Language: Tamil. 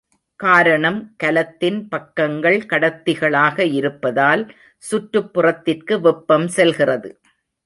காரணம் கலத்தின் பக்கங்கள் கடத்திகளாக இருப்பதால் சுற்றுப்புறத்திற்கு வெப்பம் செல்கிறது.